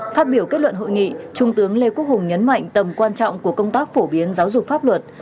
phát biểu kết luận hội nghị trung tướng lê quốc hùng nhấn mạnh tầm quan trọng của công tác phổ biến giáo dục pháp luật